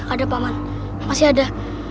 ada paman masih ada